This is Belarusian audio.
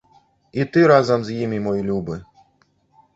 І ты разам з імі, мой любы!